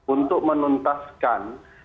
untuk menuntaskan keadaan yang terjadi